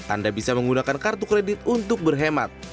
anda bisa menggunakan kartu kredit untuk berhemat